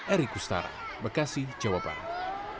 erik ustara bekasi jawa barat